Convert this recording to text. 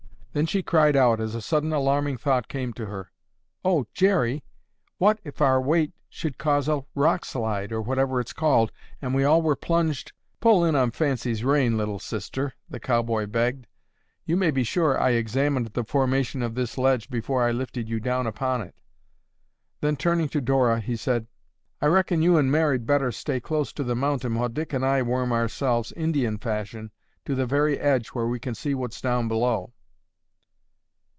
Then she cried out as a sudden alarming thought came to her. "Oh, Jerry, what if our weight should cause a rock slide, or whatever it's called, and we all were plunged—" "Pull in on fancy's rein, Little Sister!" the cowboy begged. "You may be sure I examined the formation of this ledge before I lifted you down upon it." Then, turning to Dora, he said, "I reckon you and Mary'd better stay close to the mountain while Dick and I worm ourselves, Indian fashion, to the very edge where we can see what's down below."